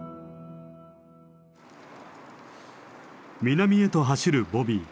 南へと走るボビー。